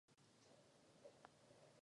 V Evropě potřebujeme mít jistotu.